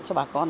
cho bà con